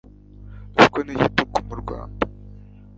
ruswa n'igitugu mu Rwanda